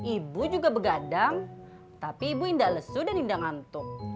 ibu juga pegadang tapi ibu tidak lesu dan tidak ngantuk